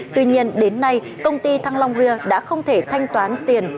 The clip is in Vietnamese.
tuy nhiên đến nay công ty thăng long ria đã không thể thanh toán tiền